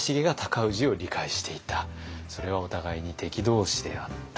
それはお互いに敵同士であった。